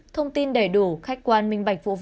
thông tin đầy đủ khách quan minh bạch